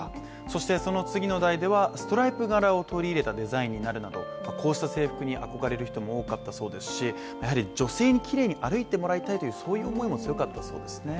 そしてその次の代ではストライプ柄を取り入れたデザインになるなどこうした制服に憧れる人も多かったそうですしやはり女性にきれいに歩いてもらいたいという思いも強かったそうですね。